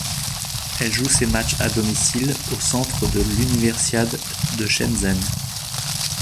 Elle joue ses matchs à domicile au Centre de l'Universiade de Shenzhen.